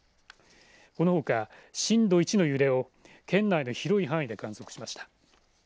このほか震度１の揺れを県内の広い範囲で観測しました。